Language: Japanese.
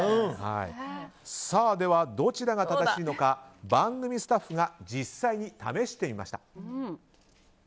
では、どちらが正しいのか番組スタッフが実際に試してみました。